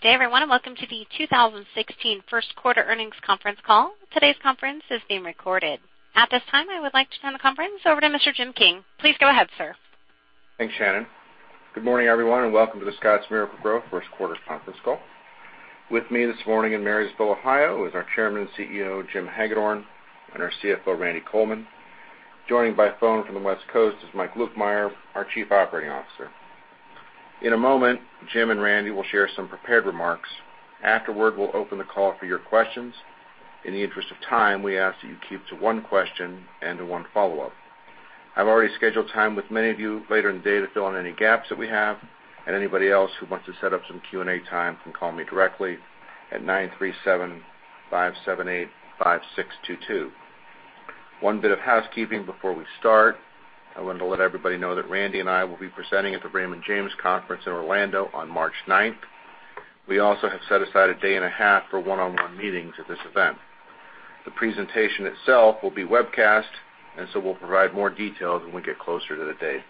Good day, everyone, welcome to the 2016 first quarter earnings conference call. Today's conference is being recorded. At this time, I would like to turn the conference over to Mr. Jim King. Please go ahead, sir. Thanks, Shannon. Good morning, everyone, welcome to The Scotts Miracle-Gro first quarter conference call. With me this morning in Marysville, Ohio is our Chairman and CEO, Jim Hagedorn, and our CFO, Randy Coleman. Joining by phone from the West Coast is Mike Lukemire, our Chief Operating Officer. In a moment, Jim and Randy will share some prepared remarks. Afterward, we'll open the call for your questions. In the interest of time, we ask that you keep to one question and to one follow-up. I've already scheduled time with many of you later in the day to fill in any gaps that we have. Anybody else who wants to set up some Q&A time can call me directly at 937-578-5622. One bit of housekeeping before we start. I wanted to let everybody know that Randy and I will be presenting at the Raymond James Conference in Orlando on March ninth. We also have set aside a day and a half for one-on-one meetings at this event. The presentation itself will be webcast, we'll provide more details when we get closer to the date.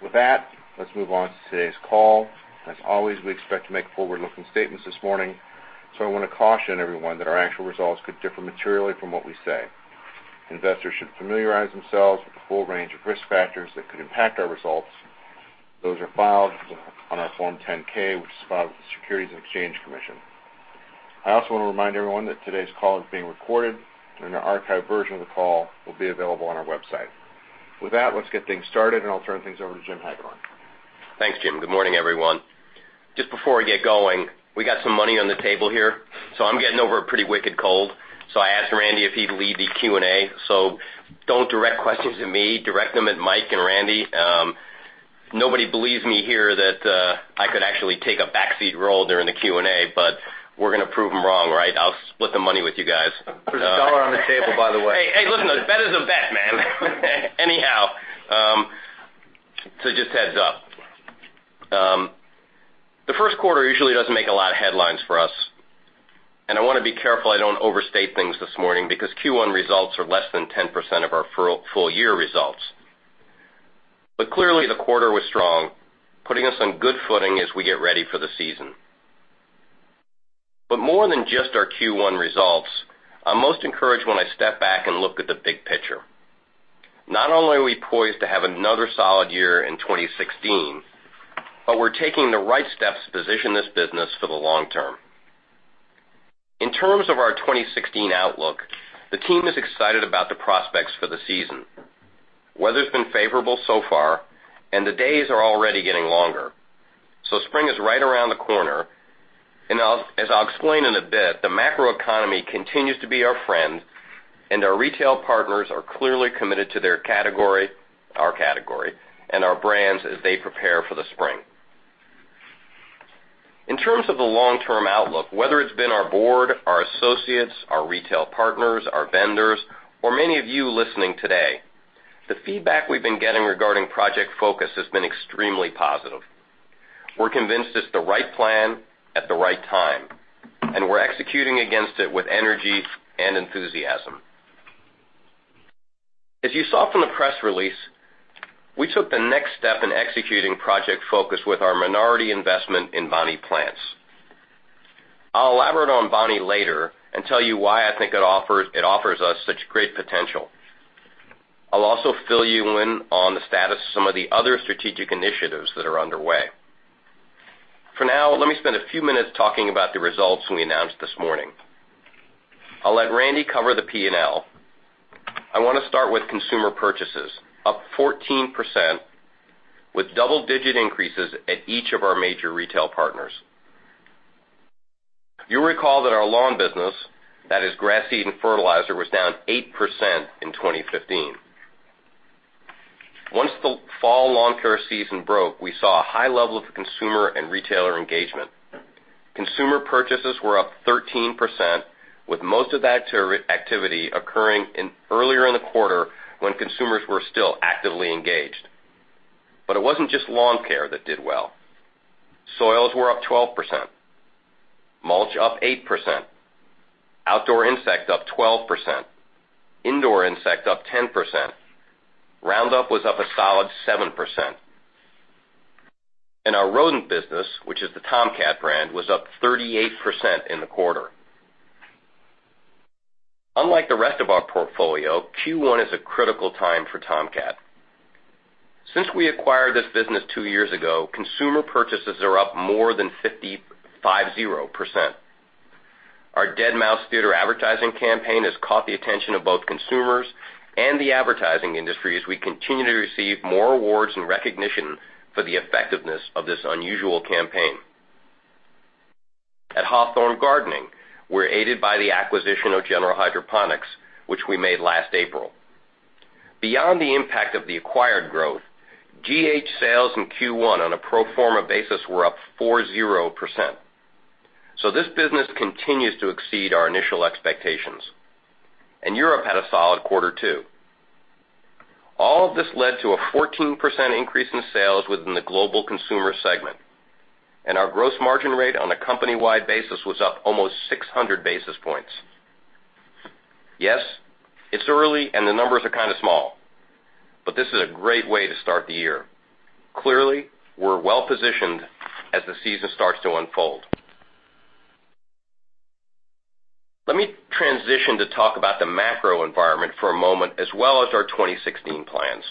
With that, let's move on to today's call. As always, we expect to make forward-looking statements this morning, I want to caution everyone that our actual results could differ materially from what we say. Investors should familiarize themselves with the full range of risk factors that could impact our results. Those are filed on our Form 10-K, which is filed with the Securities and Exchange Commission. I also want to remind everyone that today's call is being recorded, an archived version of the call will be available on our website. With that, let's get things started, I'll turn things over to Jim Hagedorn. Thanks, Jim. Good morning, everyone. Just before I get going, we got some money on the table here. I'm getting over a pretty wicked cold. I asked Randy if he'd lead the Q&A. Don't direct questions to me, direct them at Mike and Randy. Nobody believes me here that I could actually take a backseat role during the Q&A, but we're going to prove them wrong, right? I'll split the money with you guys. There's a dollar on the table, by the way. Hey, listen, a bet is a bet, man. Anyhow, just a heads-up. The first quarter usually doesn't make a lot of headlines for us, and I want to be careful I don't overstate things this morning because Q1 results are less than 10% of our full year results. Clearly, the quarter was strong, putting us on good footing as we get ready for the season. More than just our Q1 results, I'm most encouraged when I step back and look at the big picture. Not only are we poised to have another solid year in 2016, but we're taking the right steps to position this business for the long term. In terms of our 2016 outlook, the team is excited about the prospects for the season. Weather's been favorable so far, and the days are already getting longer. Spring is right around the corner. As I'll explain in a bit, the macroeconomy continues to be our friend, and our retail partners are clearly committed to their category, our category, and our brands as they prepare for the spring. In terms of the long-term outlook, whether it's been our board, our associates, our retail partners, our vendors, or many of you listening today, the feedback we've been getting regarding Project Focus has been extremely positive. We're convinced it's the right plan at the right time, and we're executing against it with energy and enthusiasm. As you saw from the press release, we took the next step in executing Project Focus with our minority investment in Bonnie Plants. I'll elaborate on Bonnie later and tell you why I think it offers us such great potential. I'll also fill you in on the status of some of the other strategic initiatives that are underway. For now, let me spend a few minutes talking about the results we announced this morning. I'll let Randy cover the P&L. I want to start with consumer purchases, up 14%, with double-digit increases at each of our major retail partners. You'll recall that our lawn business, that is grass seed and fertilizer, was down 8% in 2015. Once the fall lawn care season broke, we saw a high level of consumer and retailer engagement. Consumer purchases were up 13%, with most of that activity occurring earlier in the quarter when consumers were still actively engaged. It wasn't just lawn care that did well. Soils were up 12%, mulch up 8%, outdoor insect up 12%, indoor insect up 10%. Roundup was up a solid 7%. Our rodent business, which is the Tomcat brand, was up 38% in the quarter. Unlike the rest of our portfolio, Q1 is a critical time for Tomcat. Since we acquired this business two years ago, consumer purchases are up more than 50%. Our Dead Mouse Theater advertising campaign has caught the attention of both consumers and the advertising industry as we continue to receive more awards and recognition for the effectiveness of this unusual campaign. At Hawthorne Gardening, we're aided by the acquisition of General Hydroponics, which we made last April. Beyond the impact of the acquired growth, GH sales in Q1 on a pro forma basis were up 40%. This business continues to exceed our initial expectations. Europe had a solid quarter, too. All of this led to a 14% increase in sales within the global consumer segment, and our gross margin rate on a company-wide basis was up almost 600 basis points. Yes, it's early and the numbers are kind of small, but this is a great way to start the year. Clearly, we're well-positioned as the season starts to unfold. Let me transition to talk about the macro environment for a moment as well as our 2016 plans.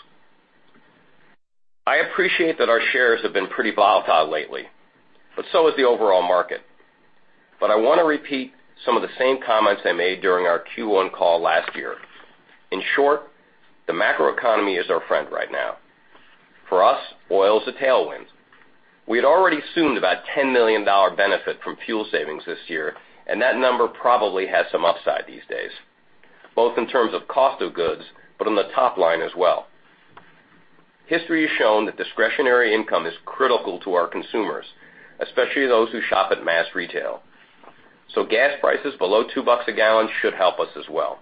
I appreciate that our shares have been pretty volatile lately, but so has the overall market. I want to repeat some of the same comments I made during our Q1 call last year. In short, the macroeconomy is our friend right now. For us, oil is a tailwind. We had already assumed about $10 million benefit from fuel savings this year, and that number probably has some upside these days, both in terms of cost of goods, but on the top line as well. History has shown that discretionary income is critical to our consumers, especially those who shop at mass retail. Gas prices below two bucks a gallon should help us as well.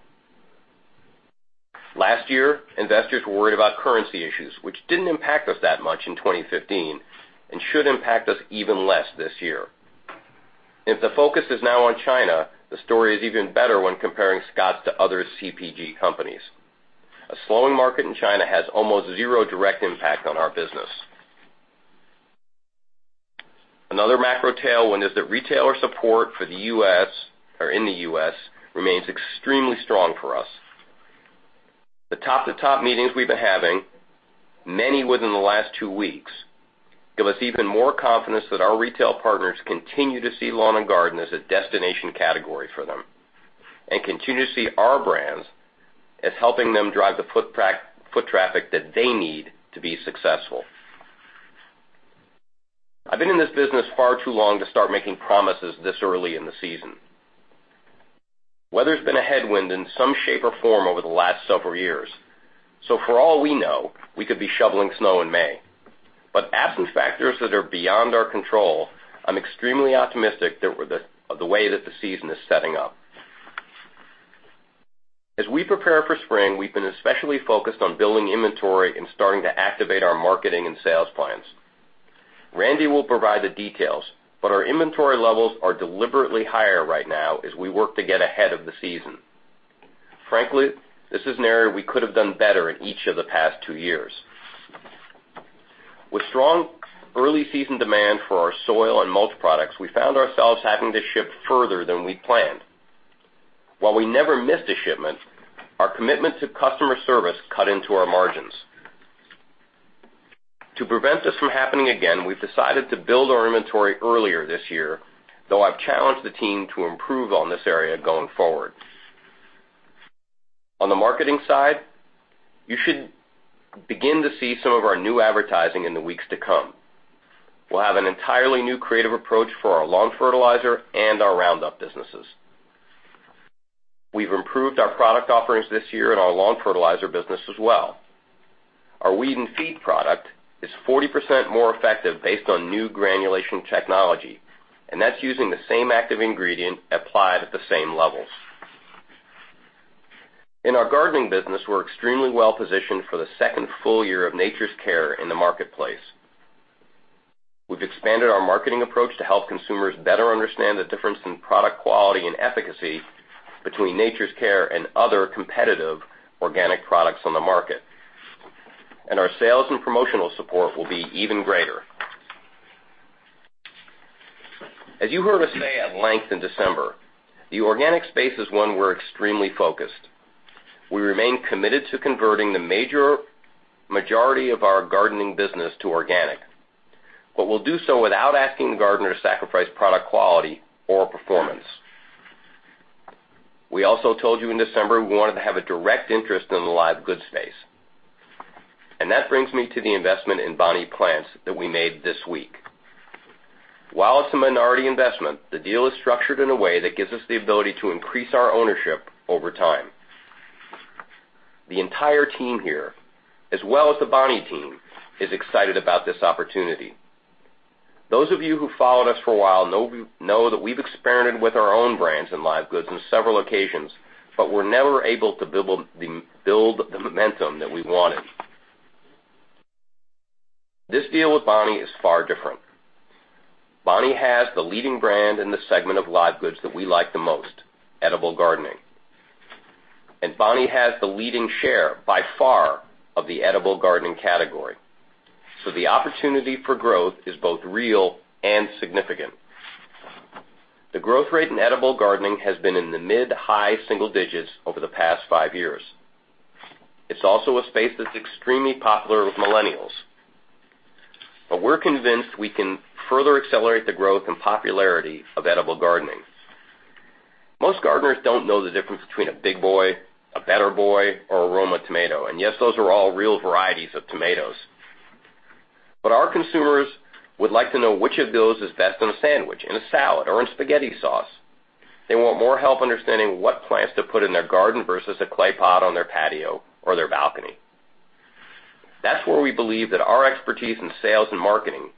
Last year, investors were worried about currency issues, which didn't impact us that much in 2015 and should impact us even less this year. If the focus is now on China, the story is even better when comparing Scotts to other CPG companies. A slowing market in China has almost zero direct impact on our business. Another macro tailwind is that retailer support in the U.S. remains extremely strong for us. The top-to-top meetings we've been having, many within the last two weeks, give us even more confidence that our retail partners continue to see lawn and garden as a destination category for them and continue to see our brands as helping them drive the foot traffic that they need to be successful. I've been in this business far too long to start making promises this early in the season. Weather has been a headwind in some shape or form over the last several years. For all we know, we could be shoveling snow in May. Absent factors that are beyond our control, I'm extremely optimistic of the way that the season is setting up. As we prepare for spring, we've been especially focused on building inventory and starting to activate our marketing and sales plans. Randy will provide the details, but our inventory levels are deliberately higher right now as we work to get ahead of the season. Frankly, this is an area we could have done better in each of the past two years. With strong early season demand for our soil and mulch products, we found ourselves having to ship further than we planned. While we never missed a shipment, our commitment to customer service cut into our margins. To prevent this from happening again, we've decided to build our inventory earlier this year, though I've challenged the team to improve on this area going forward. On the marketing side, you should begin to see some of our new advertising in the weeks to come. We'll have an entirely new creative approach for our lawn fertilizer and our Roundup businesses. We've improved our product offerings this year in our lawn fertilizer business as well. Our Weed & Feed product is 40% more effective based on new granulation technology, and that's using the same active ingredient applied at the same levels. In our gardening business, we're extremely well positioned for the second full year of Nature's Care in the marketplace. We've expanded our marketing approach to help consumers better understand the difference in product quality and efficacy between Nature's Care and other competitive organic products on the market. Our sales and promotional support will be even greater. As you heard us say at length in December, the organic space is one we're extremely focused. We remain committed to converting the major majority of our gardening business to organic, but we'll do so without asking the gardener to sacrifice product quality or performance. We also told you in December we wanted to have a direct interest in the live goods space. That brings me to the investment in Bonnie Plants that we made this week. While it's a minority investment, the deal is structured in a way that gives us the ability to increase our ownership over time. The entire team here, as well as the Bonnie team, is excited about this opportunity. Those of you who followed us for a while know that we've experimented with our own brands in live goods on several occasions, but were never able to build the momentum that we wanted. This deal with Bonnie is far different. Bonnie has the leading brand in the segment of live goods that we like the most, edible gardening. Bonnie has the leading share, by far, of the edible gardening category. The opportunity for growth is both real and significant. The growth rate in edible gardening has been in the mid-to-high single digits over the past five years. It's also a space that's extremely popular with millennials. We're convinced we can further accelerate the growth and popularity of edible gardening. Most gardeners don't know the difference between a Big Boy, a Better Boy, or a Roma tomato. Yes, those are all real varieties of tomatoes. Our consumers would like to know which of those is best on a sandwich, in a salad, or in spaghetti sauce. They want more help understanding what plants to put in their garden versus a clay pot on their patio or their balcony. That's where we believe that our expertise in sales and marketing,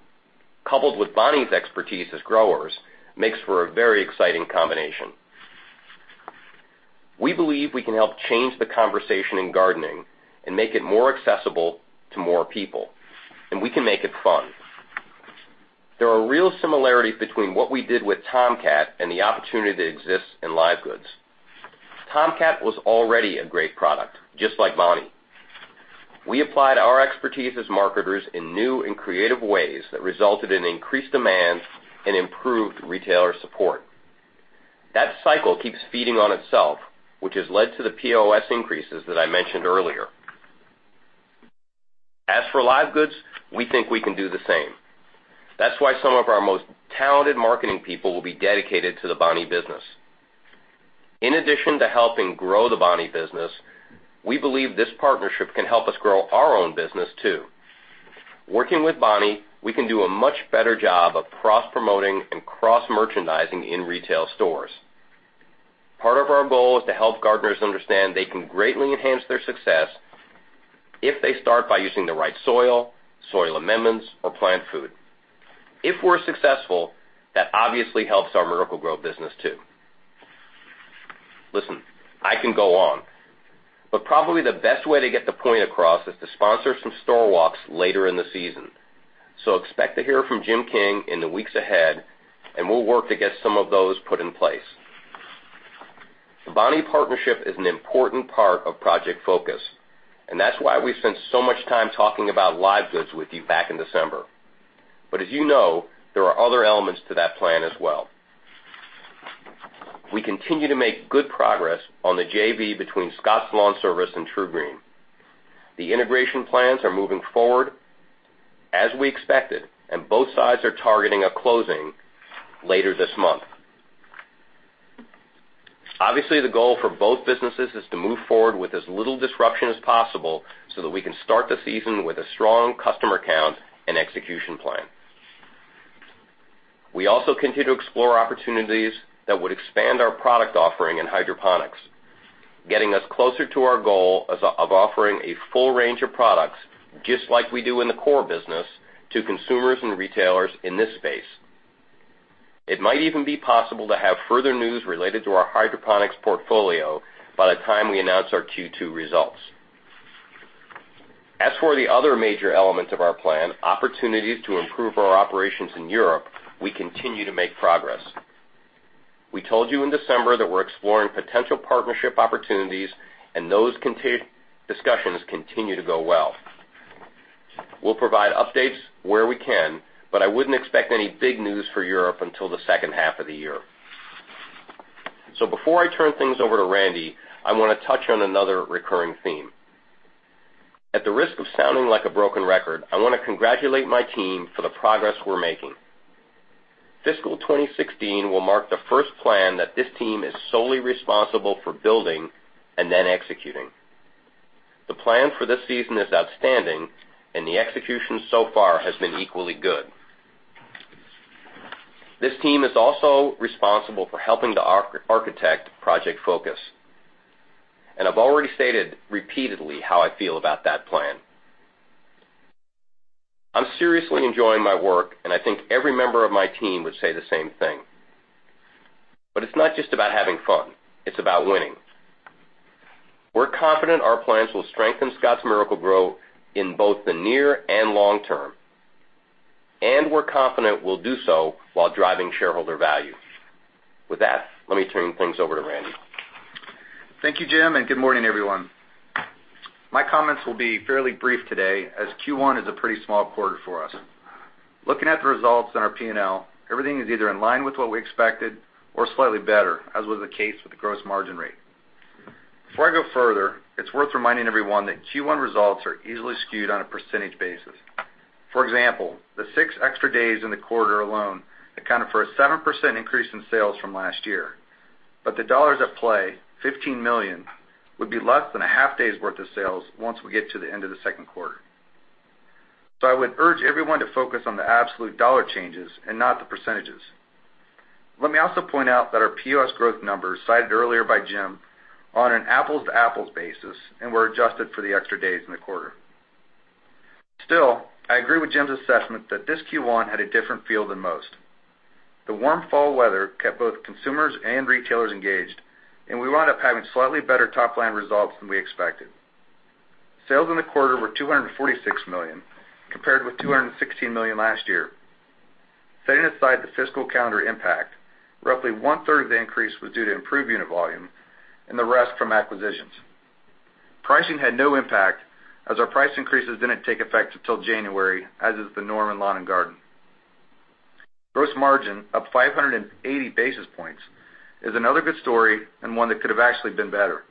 coupled with Bonnie's expertise as growers, makes for a very exciting combination. We believe we can help change the conversation in gardening and make it more accessible to more people, and we can make it fun. There are real similarities between what we did with Tomcat and the opportunity that exists in live goods. Tomcat was already a great product, just like Bonnie. We applied our expertise as marketers in new and creative ways that resulted in increased demand and improved retailer support. That cycle keeps feeding on itself, which has led to the POS increases that I mentioned earlier. As for live goods, we think we can do the same. That's why some of our most talented marketing people will be dedicated to the Bonnie business. In addition to helping grow the Bonnie business, we believe this partnership can help us grow our own business too. Working with Bonnie, we can do a much better job of cross-promoting and cross-merchandising in retail stores. Part of our goal is to help gardeners understand they can greatly enhance their success if they start by using the right soil amendments, or plant food. If we're successful, that obviously helps our Miracle-Gro business too. Listen, I can go on, probably the best way to get the point across is to sponsor some store walks later in the season. Expect to hear from Jim King in the weeks ahead, and we'll work to get some of those put in place. The Bonnie partnership is an important part of Project Focus, that's why we spent so much time talking about live goods with you back in December. As you know, there are other elements to that plan as well. We continue to make good progress on the JV between Scotts LawnService and TruGreen. The integration plans are moving forward as we expected, and both sides are targeting a closing later this month. Obviously, the goal for both businesses is to move forward with as little disruption as possible so that we can start the season with a strong customer count and execution plan. We also continue to explore opportunities that would expand our product offering in hydroponics, getting us closer to our goal of offering a full range of products, just like we do in the core business, to consumers and retailers in this space. It might even be possible to have further news related to our hydroponics portfolio by the time we announce our Q2 results. As for the other major elements of our plan, opportunities to improve our operations in Europe, we continue to make progress. We told you in December that we're exploring potential partnership opportunities, those discussions continue to go well. We'll provide updates where we can, but I wouldn't expect any big news for Europe until the second half of the year. Before I turn things over to Randy, I want to touch on another recurring theme. At the risk of sounding like a broken record, I want to congratulate my team for the progress we're making. Fiscal 2016 will mark the first plan that this team is solely responsible for building and then executing. The plan for this season is outstanding, and the execution so far has been equally good. This team is also responsible for helping to architect Project Focus, and I've already stated repeatedly how I feel about that plan. I'm seriously enjoying my work, and I think every member of my team would say the same thing. It's not just about having fun, it's about winning. We're confident our plans will strengthen Scotts Miracle-Gro in both the near and long term, and we're confident we'll do so while driving shareholder value. With that, let me turn things over to Randy. Thank you, Jim, and good morning, everyone. My comments will be fairly brief today, as Q1 is a pretty small quarter for us. Looking at the results on our P&L, everything is either in line with what we expected or slightly better, as was the case with the gross margin rate. Before I go further, it's worth reminding everyone that Q1 results are easily skewed on a percentage basis. For example, the six extra days in the quarter alone accounted for a 7% increase in sales from last year. The dollars at play, $15 million, would be less than a half day's worth of sales once we get to the end of the second quarter. I would urge everyone to focus on the absolute dollar changes and not the percentages. Let me also point out that our POS growth numbers cited earlier by Jim are on an apples-to-apples basis and were adjusted for the extra days in the quarter. Still, I agree with Jim's assessment that this Q1 had a different feel than most. The warm fall weather kept both consumers and retailers engaged, and we wound up having slightly better top-line results than we expected. Sales in the quarter were $246 million, compared with $216 million last year. Setting aside the fiscal calendar impact, roughly one-third of the increase was due to improved unit volume and the rest from acquisitions. Pricing had no impact, as our price increases didn't take effect until January, as is the norm in lawn and garden. Gross margin up 580 basis points is another good story and one that could have actually been better.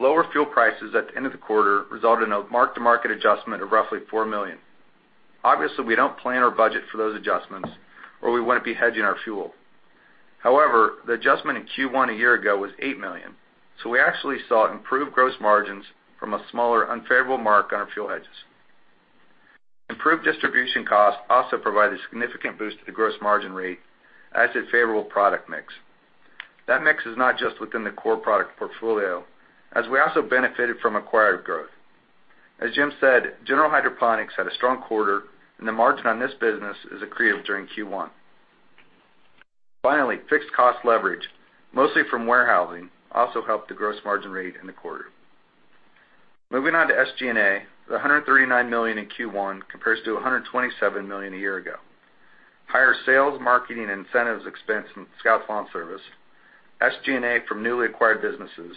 Lower fuel prices at the end of the quarter resulted in a mark-to-market adjustment of roughly $4 million. Obviously, we don't plan our budget for those adjustments, or we wouldn't be hedging our fuel. However, the adjustment in Q1 a year ago was $8 million, so we actually saw improved gross margins from a smaller unfavorable mark on our fuel hedges. Improved distribution costs also provided a significant boost to the gross margin rate as did favorable product mix. That mix is not just within the core product portfolio, as we also benefited from acquired growth. As Jim said, General Hydroponics had a strong quarter, and the margin on this business is accretive during Q1. Finally, fixed cost leverage, mostly from warehousing, also helped the gross margin rate in the quarter. Moving on to SG&A, the $139 million in Q1 compares to $127 million a year ago. Higher sales, marketing, and incentives expense from Scotts LawnService, SG&A from newly acquired businesses,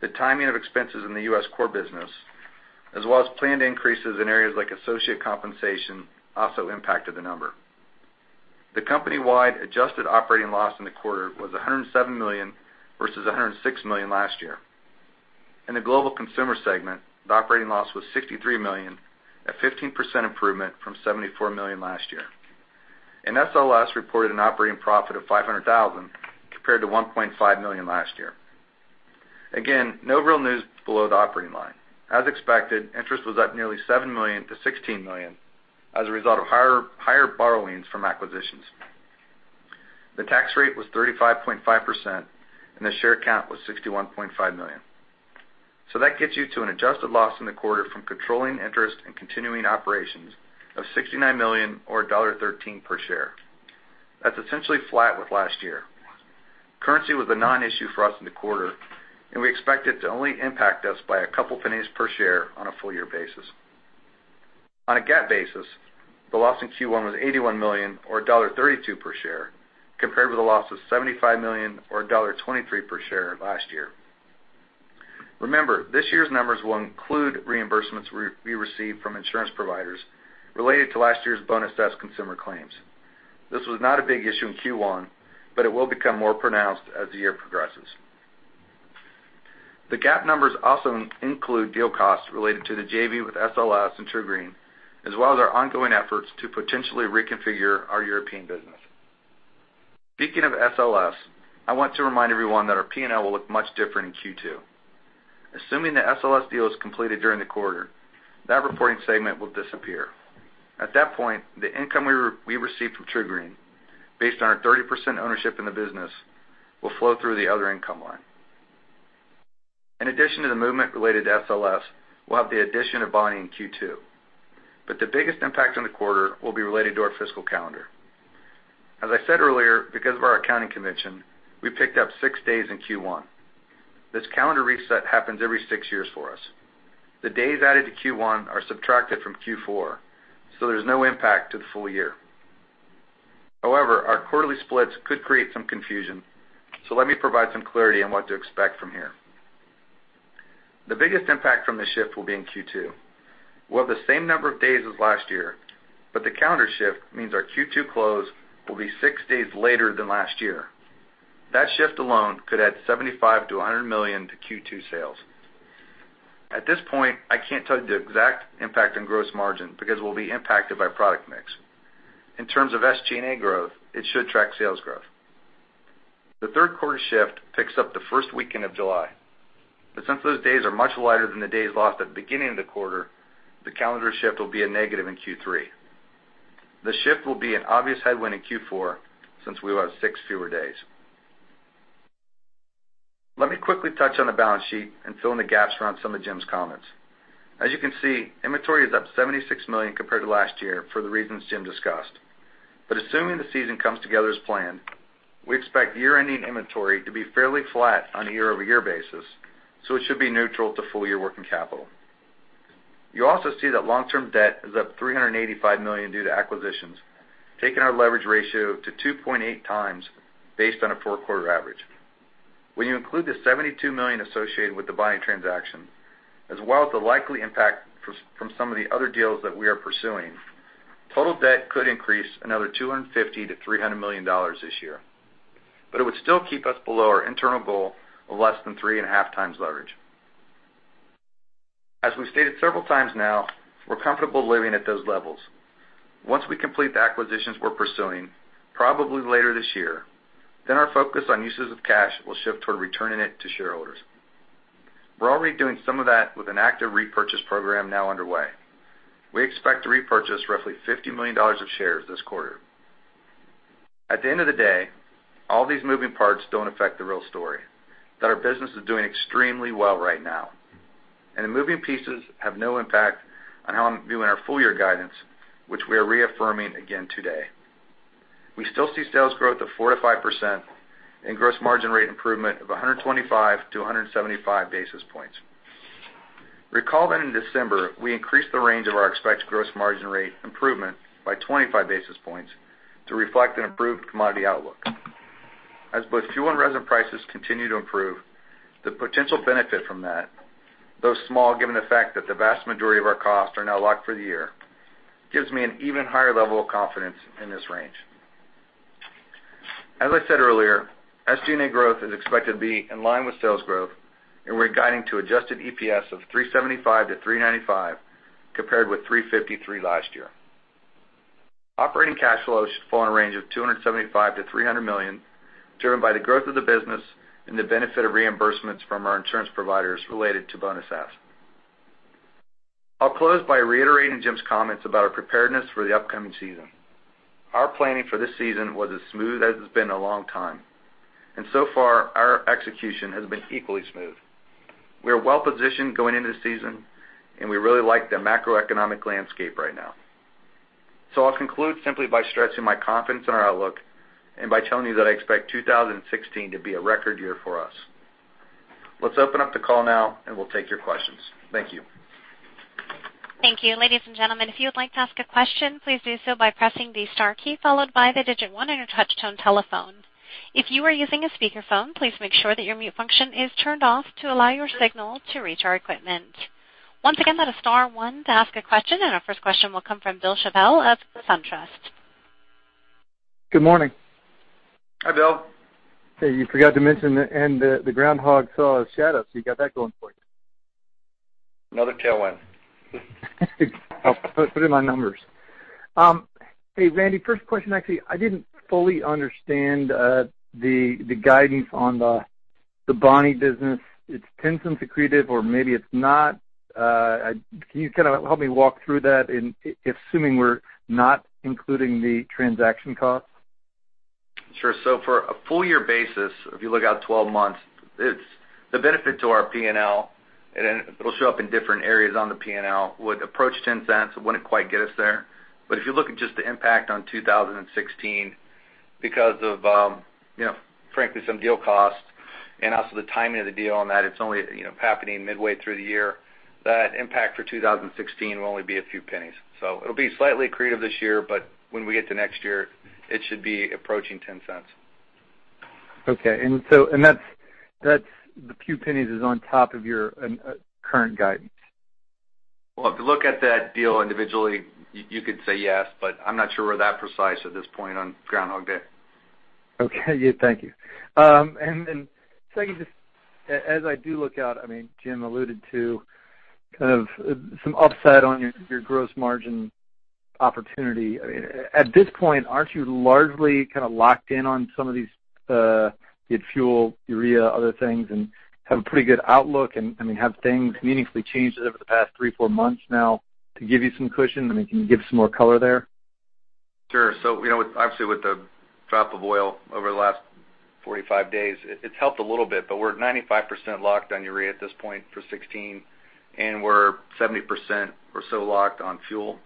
the timing of expenses in the U.S. core business, as well as planned increases in areas like associate compensation also impacted the number. The company-wide adjusted operating loss in the quarter was $107 million versus $106 million last year. SLS reported an operating profit of $500,000 compared to $1.5 million last year. Again, no real news below the operating line. As expected, interest was up nearly $7 million to $16 million as a result of higher borrowings from acquisitions. The tax rate was 35.5%, and the share count was 61.5 million. That gets you to an adjusted loss in the quarter from continuing operations of $69 million or $1.13 per share. That's essentially flat with last year. Currency was a non-issue for us in the quarter, and we expect it to only impact us by a couple pennies per share on a full-year basis. On a GAAP basis, the loss in Q1 was $81 million or $1.32 per share, compared with a loss of $75 million or $1.23 per share last year. Remember, this year's numbers will include reimbursements we receive from insurance providers related to last year's Bonus S consumer claims. This was not a big issue in Q1, but it will become more pronounced as the year progresses. The GAAP numbers also include deal costs related to the JV with SLS and TruGreen, as well as our ongoing efforts to potentially reconfigure our European business. Speaking of SLS, I want to remind everyone that our P&L will look much different in Q2. Assuming the SLS deal is completed during the quarter, that reporting segment will disappear. At that point, the income we receive from TruGreen, based on our 30% ownership in the business, will flow through the other income line. In addition to the movement related to SLS, we'll have the addition of Bonnie in Q2. The biggest impact on the quarter will be related to our fiscal calendar. As I said earlier, because of our accounting convention, we picked up six days in Q1. This calendar reset happens every six years for us. The days added to Q1 are subtracted from Q4, so there's no impact to the full year. However, our quarterly splits could create some confusion. Let me provide some clarity on what to expect from here. The biggest impact from this shift will be in Q2. We'll have the same number of days as last year. The calendar shift means our Q2 close will be six days later than last year. That shift alone could add $75 million-$100 million to Q2 sales. At this point, I can't tell you the exact impact on gross margin because we'll be impacted by product mix. In terms of SG&A growth, it should track sales growth. The third quarter shift picks up the first weekend of July. Since those days are much lighter than the days lost at the beginning of the quarter, the calendar shift will be a negative in Q3. The shift will be an obvious headwind in Q4, since we will have six fewer days. Let me quickly touch on the balance sheet and fill in the gaps around some of Jim's comments. As you can see, inventory is up $76 million compared to last year for the reasons Jim discussed. Assuming the season comes together as planned, we expect year-ending inventory to be fairly flat on a year-over-year basis, so it should be neutral to full-year working capital. You also see that long-term debt is up $385 million due to acquisitions, taking our leverage ratio to 2.8 times based on a four-quarter average. When you include the $72 million associated with the Bonnie transaction, as well as the likely impact from some of the other deals that we are pursuing, total debt could increase another $250 million-$300 million this year. It would still keep us below our internal goal of less than three and a half times leverage. As we've stated several times now, we're comfortable living at those levels. Once we complete the acquisitions we're pursuing, probably later this year, our focus on uses of cash will shift toward returning it to shareholders. We're already doing some of that with an active repurchase program now underway. We expect to repurchase roughly $50 million of shares this quarter. At the end of the day, all these moving parts don't affect the real story, that our business is doing extremely well right now. The moving pieces have no impact on how I'm viewing our full-year guidance, which we are reaffirming again today. We still see sales growth of 4%-5% and gross margin rate improvement of 125-175 basis points. Recall that in December, we increased the range of our expected gross margin rate improvement by 25 basis points to reflect an improved commodity outlook. As both fuel and resin prices continue to improve, the potential benefit from that, though small, given the fact that the vast majority of our costs are now locked for the year, gives me an even higher level of confidence in this range. As I said earlier, SG&A growth is expected to be in line with sales growth, and we're guiding to adjusted EPS of $3.75-$3.95, compared with $3.53 last year. Operating cash flow should fall in a range of $275 million-$300 million, driven by the growth of the business and the benefit of reimbursements from our insurance providers related to Bonus S. I'll close by reiterating Jim's comments about our preparedness for the upcoming season. Our planning for this season was as smooth as it's been in a long time. So far, our execution has been equally smooth. We are well-positioned going into the season, and we really like the macroeconomic landscape right now. I'll conclude simply by stressing my confidence in our outlook and by telling you that I expect 2016 to be a record year for us. Let's open up the call now, we'll take your questions. Thank you. Thank you. Ladies and gentlemen, if you would like to ask a question, please do so by pressing the star key, followed by the digit 1 on your touch-tone telephone. If you are using a speakerphone, please make sure that your mute function is turned off to allow your signal to reach our equipment. Once again, that is star 1 to ask a question, our first question will come from Bill Chappell of SunTrust. Good morning. Hi, Bill. Hey, you forgot to mention, the groundhog saw his shadow, you got that going for you. Another tailwind. It helps put it in my numbers. Hey, Randy, first question, actually, I didn't fully understand the guidance on the Bonnie business. It's $0.10 accretive, or maybe it's not. Can you kind of help me walk through that, assuming we're not including the transaction cost? Sure. For a full year basis, if you look out 12 months, the benefit to our P&L, it'll show up in different areas on the P&L, would approach $0.10. It wouldn't quite get us there. If you look at just the impact on 2016, because of, frankly, some deal costs and also the timing of the deal on that, it's only happening midway through the year. That impact for 2016 will only be a few pennies. It'll be slightly accretive this year, but when we get to next year, it should be approaching $0.10. Okay. The few pennies is on top of your current guidance? Well, if you look at that deal individually, you could say yes, but I'm not sure we're that precise at this point on Groundhog Day. Okay, good. Thank you. Second, as I do look out, Jim alluded to kind of some upside on your gross margin opportunity. At this point, aren't you largely kind of locked in on some of these be it fuel, urea, other things, and have a pretty good outlook and have things meaningfully changed over the past three, four months now to give you some cushion? Can you give some more color there? Sure. Obviously, with the drop of oil over the last 45 days, it's helped a little bit, but we're at 95% locked on urea at this point for 2016, and we're 70% or so locked on fuel.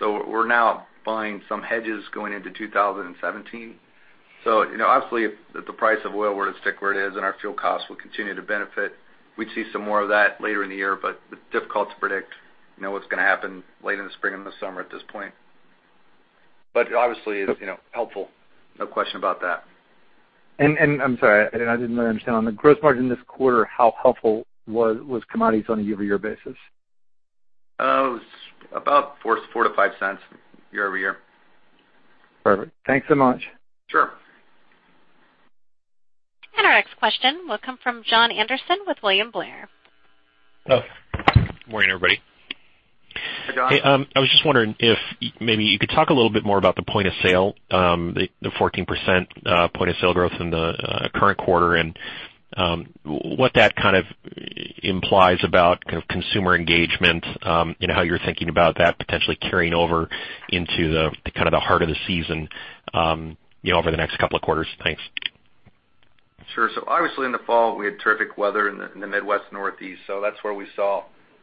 We're now buying some hedges going into 2017. Obviously, if the price of oil were to stick where it is then our fuel costs will continue to benefit. We'd see some more of that later in the year, but it's difficult to predict what's going to happen late in the spring and the summer at this point. Obviously, it's helpful. No question about that. I'm sorry, I didn't really understand. On the gross margin this quarter, how helpful was commodities on a year-over-year basis? It was about $0.04-$0.05 year-over-year. Perfect. Thanks so much. Sure. Our next question will come from Jon Andersen with William Blair. Morning, everybody. Hi, Jon. I was just wondering if maybe you could talk a little bit more about the point of sale, the 14% point of sale growth in the current quarter, and what that kind of implies about consumer engagement and how you're thinking about that potentially carrying over into the heart of the season over the next couple of quarters. Thanks. Sure. Obviously, in the fall, we had terrific weather in the Midwest Northeast, That's where we saw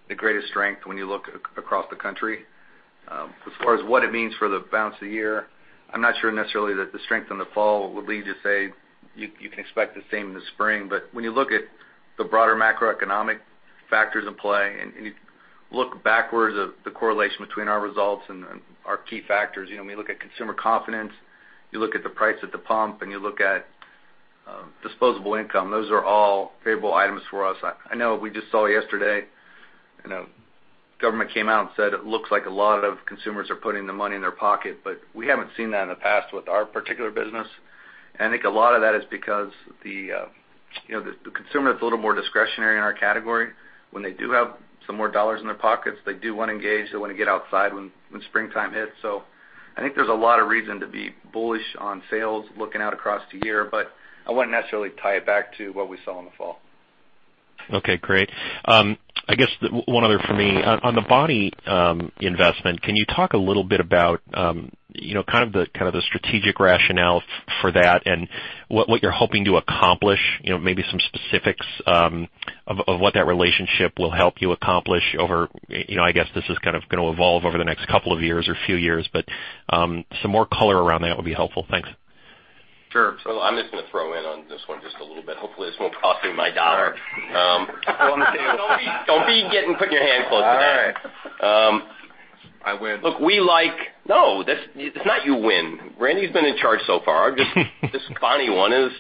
the greatest strength when you look across the country. As far as what it means for the balance of the year, I'm not sure necessarily that the strength in the fall would lead to say you can expect the same in the spring. When you look at the broader macroeconomic factors in play, You look backwards at the correlation between our results and our key factors, when you look at consumer confidence, you look at the price at the pump, You look at disposable income, those are all favorable items for us. I know we just saw yesterday, government came out and said it looks like a lot of consumers are putting the money in their pocket, but we haven't seen that in the past with our particular business. I think a lot of that is because the consumer is a little more discretionary in our category. When they do have some more dollars in their pockets, they do want to engage, they want to get outside when springtime hits. I think there's a lot of reason to be bullish on sales looking out across the year, but I wouldn't necessarily tie it back to what we saw in the fall. Okay, great. I guess one other from me. On the Bonnie investment, can you talk a little bit about the strategic rationale for that and what you're hoping to accomplish? Maybe some specifics of what that relationship will help you accomplish over, I guess this is going to evolve over the next couple of years or few years, but some more color around that would be helpful. Thanks. Sure. I'm just going to throw in on this one just a little bit. Hopefully, this won't cost me my job. Don't be putting your hand close to that. All right. I win. No, it's not you win. Randy's been in charge so far. This Bonnie one is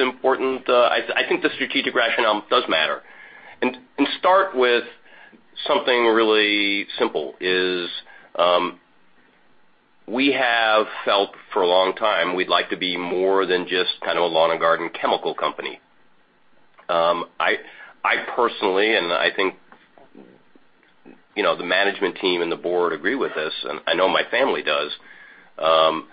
important. I think the strategic rationale does matter. Start with something really simple is we have felt for a long time we'd like to be more than just a lawn and garden chemical company. I personally, and I think the management team and the board agree with this, and I know my family does. I'm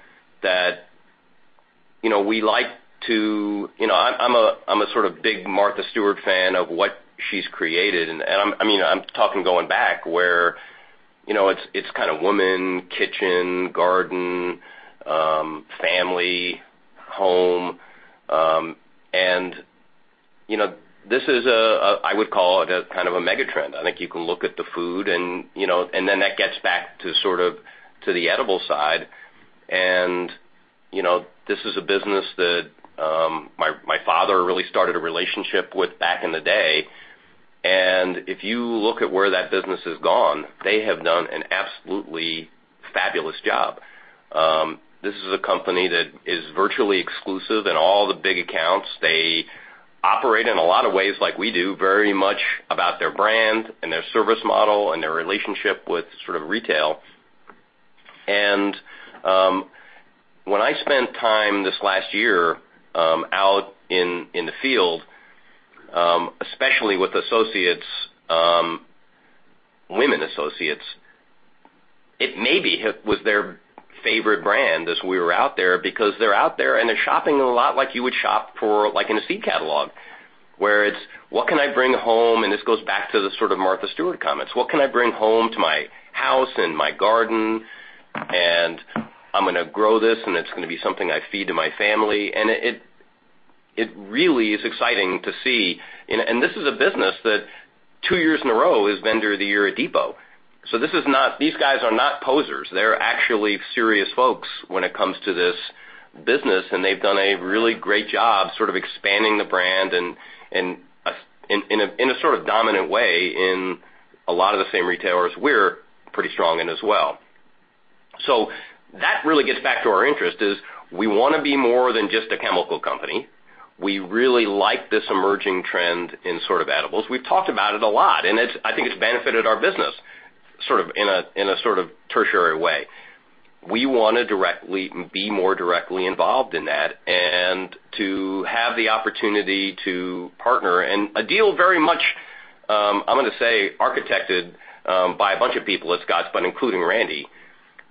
a sort of big Martha Stewart fan of what she's created, and I'm talking going back where. It's kind of woman, kitchen, garden, family, home. This is, I would call it a mega trend. I think you can look at the food, and then that gets back to the edible side. This is a business that my father really started a relationship with back in the day. If you look at where that business has gone, they have done an absolutely fabulous job. This is a company that is virtually exclusive in all the big accounts. They operate in a lot of ways like we do, very much about their brand and their service model and their relationship with retail. When I spent time this last year out in the field, especially with associates, women associates, it maybe was their favorite brand as we were out there, because they're out there and they're shopping a lot like you would shop in a seed catalog, where it's, what can I bring home? This goes back to the Martha Stewart comments. What can I bring home to my house and my garden? I'm going to grow this, and it's going to be something I feed to my family. It really is exciting to see. This is a business that two years in a row is Vendor of the Year at Depot. These guys are not posers. They're actually serious folks when it comes to this business, and they've done a really great job expanding the brand in a dominant way in a lot of the same retailers we're pretty strong in as well. That really gets back to our interest is we want to be more than just a chemical company. We really like this emerging trend in edibles. We've talked about it a lot, and I think it's benefited our business in a tertiary way. We want to be more directly involved in that and to have the opportunity to partner. A deal very much, I'm going to say, architected by a bunch of people at Scotts, but including Randy,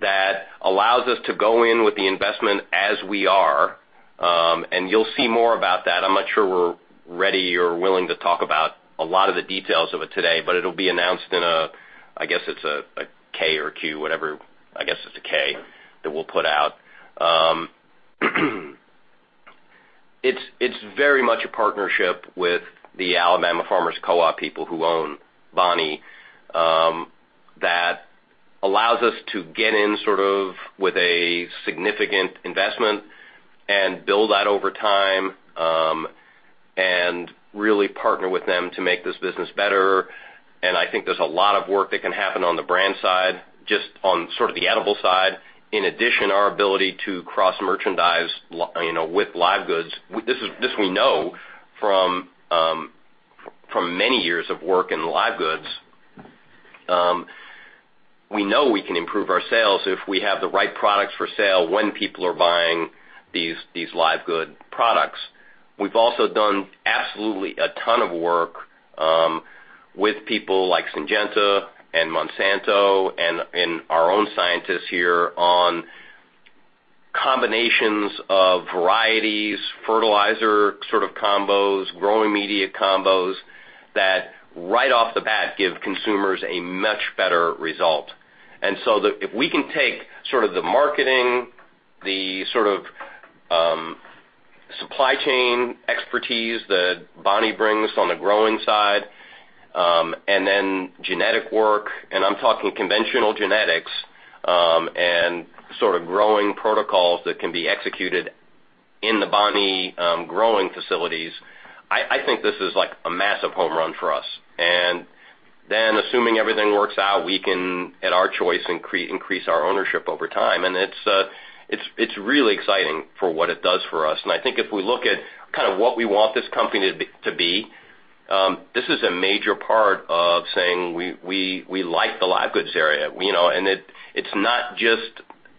that allows us to go in with the investment as we are. You'll see more about that. I'm not sure we're ready or willing to talk about a lot of the details of it today, but it'll be announced in a, I guess it's a K or a Q, whatever. I guess it's a K that we'll put out. It's very much a partnership with the Alabama Farmers Co-op people who own Bonnie that allows us to get in with a significant investment and build that over time and really partner with them to make this business better. I think there's a lot of work that can happen on the brand side, just on the edible side. In addition, our ability to cross-merchandise with live goods. This we know from many years of work in live goods. We know we can improve our sales if we have the right products for sale when people are buying these live good products. We've also done absolutely a ton of work with people like Syngenta and Monsanto and our own scientists here on combinations of varieties, fertilizer combos, growing media combos that right off the bat give consumers a much better result. If we can take the marketing, the supply chain expertise that Bonnie brings on the growing side, then genetic work, and I'm talking conventional genetics and growing protocols that can be executed in the Bonnie growing facilities, I think this is a massive home run for us. Assuming everything works out, we can, at our choice, increase our ownership over time. It's really exciting for what it does for us. I think if we look at what we want this company to be, this is a major part of saying we like the live goods area.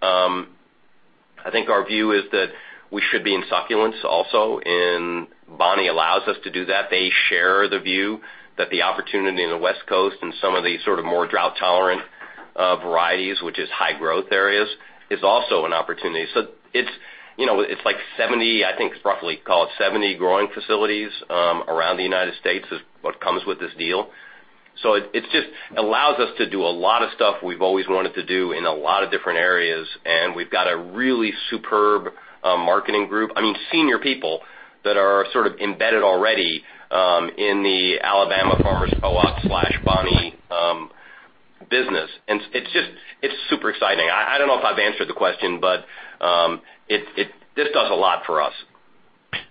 I think our view is that we should be in succulents also, Bonnie allows us to do that. They share the view that the opportunity in the West Coast and some of the more drought-tolerant varieties, which is high growth areas, is also an opportunity. It's like 70, I think it's roughly, call it 70 growing facilities around the United States is what comes with this deal. It just allows us to do a lot of stuff we've always wanted to do in a lot of different areas, and we've got a really superb marketing group, senior people that are embedded already in the Alabama Farmers Co-op/Bonnie business, and it's super exciting. I don't know if I've answered the question, this does a lot for us.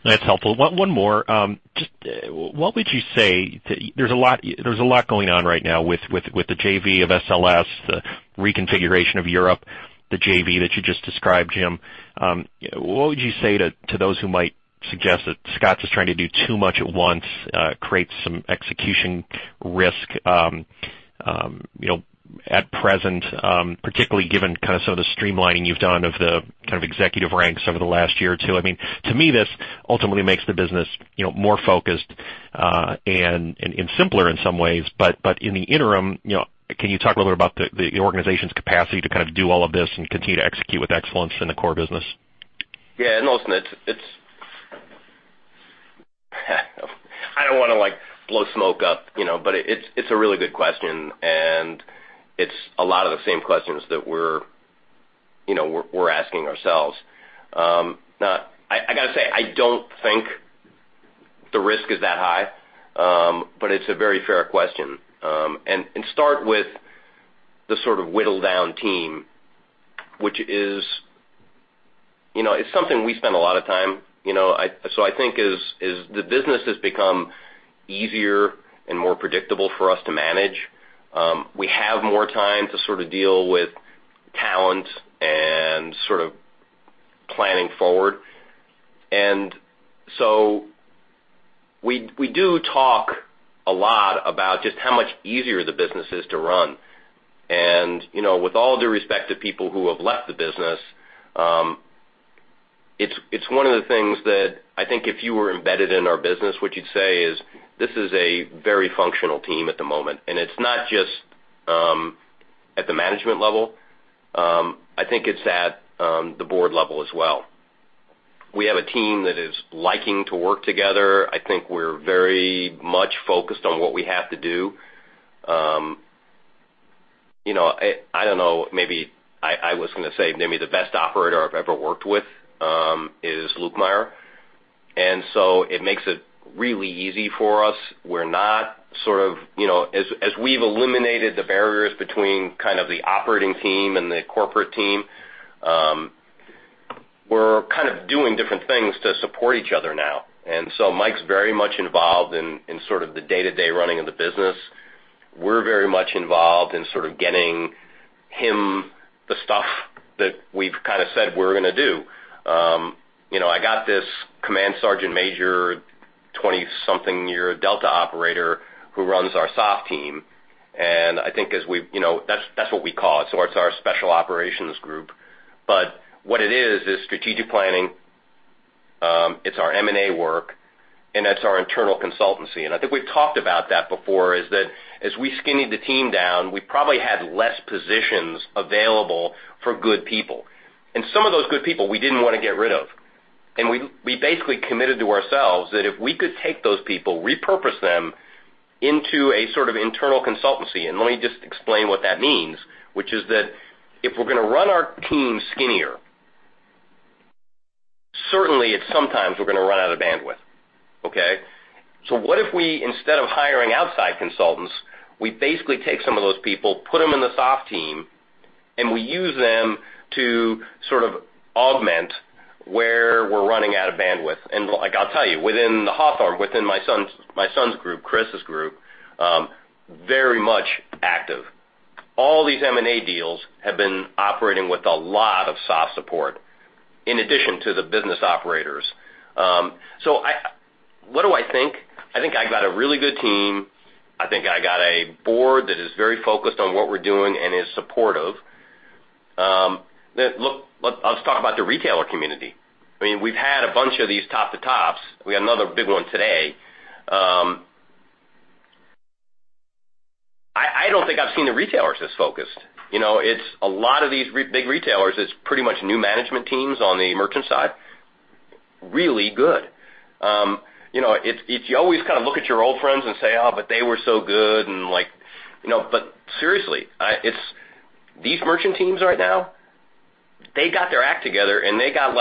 That's helpful. One more. There's a lot going on right now with the JV of SLS, the reconfiguration of Europe, the JV that you just described, Jim. What would you say to those who might suggest that Scotts is trying to do too much at once, create some execution risk at present, particularly given the streamlining you've done of the executive ranks over the last year or two? To me, this ultimately makes the business more focused and simpler in some ways. In the interim, can you talk a little bit about the organization's capacity to do all of this and continue to execute with excellence in the core business? It's blow smoke up, but it's a really good question, and it's a lot of the same questions that we're asking ourselves. Now, I got to say, I don't think the risk is that high, but it's a very fair question. Start with the sort of whittled down team, which is something we spend a lot of time. I think as the business has become easier and more predictable for us to manage, we have more time to sort of deal with talent and sort of planning forward. We do talk a lot about just how much easier the business is to run. With all due respect to people who have left the business, it's one of the things that I think if you were embedded in our business, what you'd say is, "This is a very functional team at the moment." It's not just at the management level. I think it's at the board level as well. We have a team that is liking to work together. I think we're very much focused on what we have to do. I don't know, maybe I was going to say maybe the best operator I've ever worked with is Mike Lukemire, it makes it really easy for us. As we've eliminated the barriers between kind of the operating team and the corporate team, we're kind of doing different things to support each other now. Mike's very much involved in sort of the day-to-day running of the business. We're very much involved in sort of getting him the stuff that we've kind of said we're going to do. I got this command sergeant major 20-something year Delta operator who runs our SOF team, I think that's what we call it. It's our special operations group. What it is strategic planning. It's our M&A work, that's our internal consultancy. I think we've talked about that before, is that as we skinnied the team down, we probably had less positions available for good people. Some of those good people we didn't want to get rid of. We basically committed to ourselves that if we could take those people, repurpose them into a sort of internal consultancy, let me just explain what that means, which is that if we're going to run our team skinnier, certainly at some times we're going to run out of bandwidth. What if we, instead of hiring outside consultants, we basically take some of those people, put them in the SOF team, we use them to sort of augment where we're running out of bandwidth. I'll tell you, within the Hawthorne, within my son's group, Chris's group, very much active. All these M&A deals have been operating with a lot of SOF support in addition to the business operators. What do I think? I think I got a really good team. I think I got a board that is very focused on what we're doing and is supportive. Let's talk about the retailer community. We've had a bunch of these top to tops. We got another big one today. I don't think I've seen the retailers this focused. A lot of these big retailers, it's pretty much new management teams on the merchant side. Really good. You always kind of look at your old friends and say, "Oh, but they were so good," but seriously, these merchant teams right now, they got their act together, and they got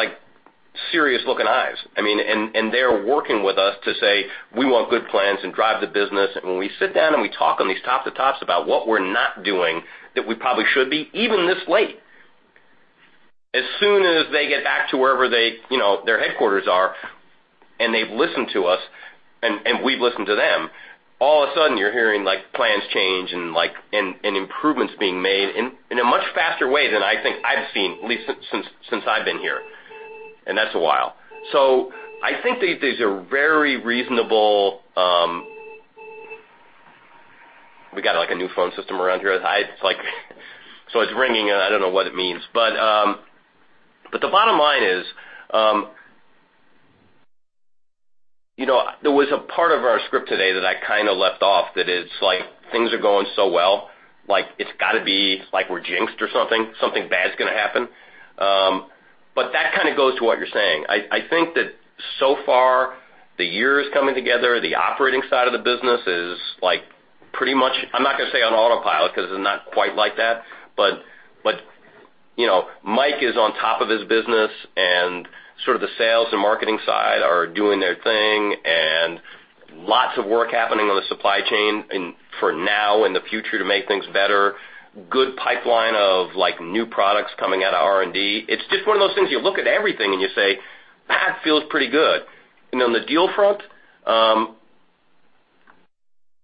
serious looking eyes. They're working with us to say, "We want good plans and drive the business." When we sit down and we talk on these top to tops about what we're not doing that we probably should be, even this late, as soon as they get back to wherever their headquarters are, and they've listened to us and we've listened to them. All of a sudden, you're hearing plans change and improvements being made in a much faster way than I think I've seen, at least since I've been here, and that's a while. I think these are very reasonable. We got a new phone system around here. It's ringing, and I don't know what it means. The bottom line is, there was a part of our script today that I kind of left off that is like, things are going so well, it's got to be like we're jinxed or something. Something bad's going to happen. That kind of goes to what you're saying. I think that so far the year is coming together. The operating side of the business is pretty much, I'm not going to say on autopilot, because it's not quite like that. Mike is on top of his business, and sort of the sales and marketing side are doing their thing, and lots of work happening on the supply chain for now and the future to make things better. Good pipeline of new products coming out of R&D. It's just one of those things, you look at everything and you say, "That feels pretty good." On the deal front,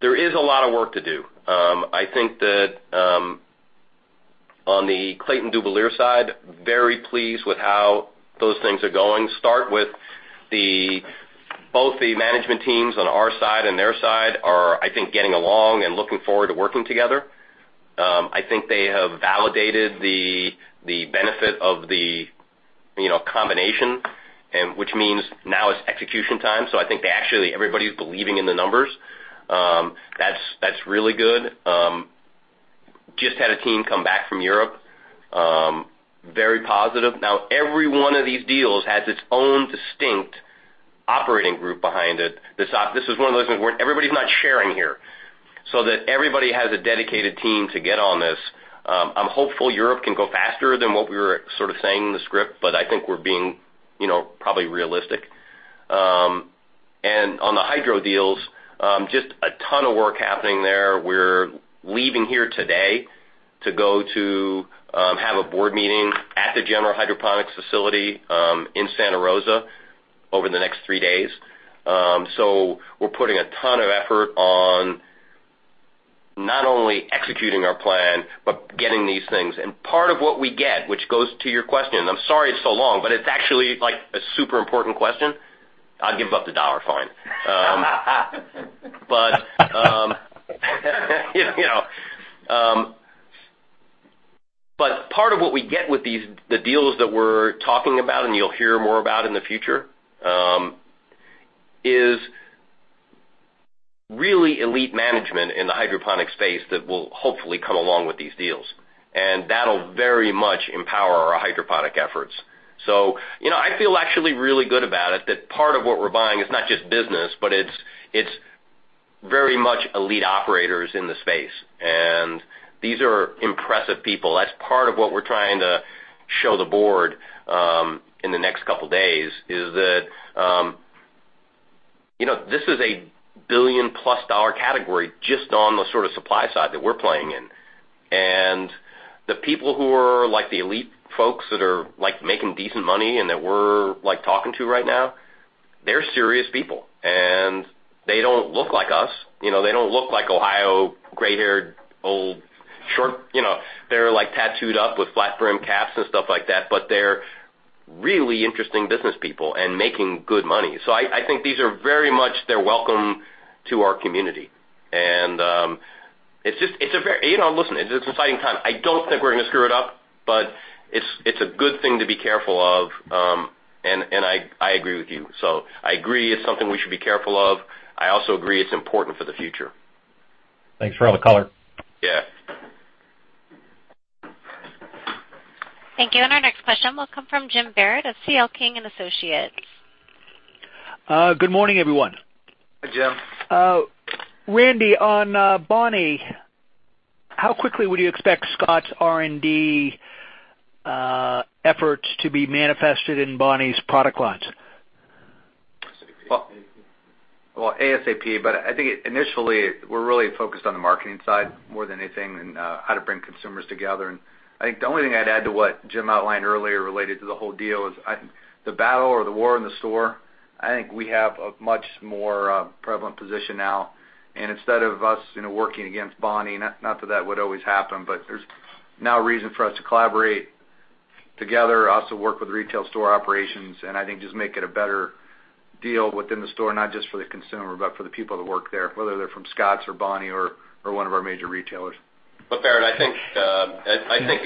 there is a lot of work to do. I think that on the Clayton Dubilier side, very pleased with how those things are going. Start with both the management teams on our side and their side are, I think, getting along and looking forward to working together. I think they have validated the benefit of the combination, which means now it's execution time. I think actually everybody's believing in the numbers. That's really good. Just had a team come back from Europe. Very positive. Every one of these deals has its own distinct operating group behind it. This is one of those things where everybody's not sharing here, so that everybody has a dedicated team to get on this. I'm hopeful Europe can go faster than what we were sort of saying in the script, but I think we're being probably realistic. On the hydro deals, just a ton of work happening there. We're leaving here today to go to have a board meeting at the General Hydroponics facility in Santa Rosa over the next three days. We're putting a ton of effort on not only executing our plan but getting these things. Part of what we get, which goes to your question, I'm sorry it's so long, but it's actually a super important question. I'd give up the dollar fine. Part of what we get with the deals that we're talking about and you'll hear more about in the future, is really elite management in the hydroponic space that will hopefully come along with these deals. That'll very much empower our hydroponic efforts. I feel actually really good about it, that part of what we're buying is not just business, but it's very much elite operators in the space. These are impressive people. That's part of what we're trying to show the board in the next couple of days, is that this is a billion-plus dollar category just on the sort of supply side that we're playing in. The people who are the elite folks that are making decent money and that we're talking to right now, they're serious people, and they don't look like us. They don't look like Ohio, gray-haired, old, short They're tattooed up with flat brim caps and stuff like that, but they're really interesting business people and making good money. I think these are very much they're welcome to our community. Listen, it's an exciting time. I don't think we're going to screw it up, but it's a good thing to be careful of, and I agree with you. I agree it's something we should be careful of. I also agree it's important for the future. Thanks for all the color. Yeah. Thank you. Our next question will come from Jim Barrett of C.L. King & Associates. Good morning, everyone. Hi, Jim. Randy, on Bonnie, how quickly would you expect Scotts R&D efforts to be manifested in Bonnie's product lines? ASAP, but I think initially, we're really focused on the marketing side more than anything and how to bring consumers together. I think the only thing I'd add to what Jim outlined earlier related to the whole deal is the battle or the war in the store, I think we have a much more prevalent position now. Instead of us working against Bonnie, not that would always happen, but there's now a reason for us to collaborate together, also work with retail store operations, and I think just make it a better deal within the store, not just for the consumer, but for the people that work there, whether they're from Scotts or Bonnie or one of our major retailers. Barrett, I think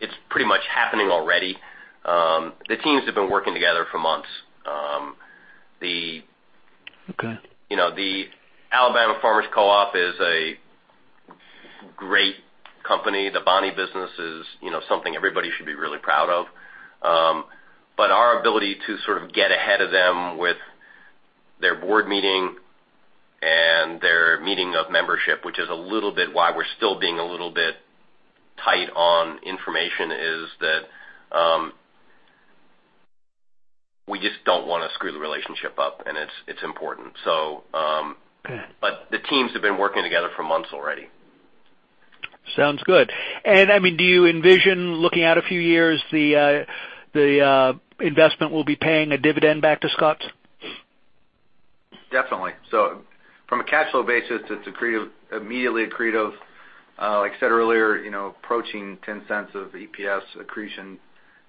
it's pretty much happening already. The teams have been working together for months. Okay. The Alabama Farmers Cooperative is a great company. The Bonnie business is something everybody should be really proud of. Our ability to sort of get ahead of them with their board meeting and their meeting of membership, which is a little bit why we're still being a little bit tight on information, is that we just don't want to screw the relationship up, and it's important. Okay. The teams have been working together for months already. Sounds good. Do you envision, looking out a few years, the investment will be paying a dividend back to Scotts? Definitely. From a cash flow basis, it is immediately accretive, like I said earlier, approaching $0.10 of EPS accretion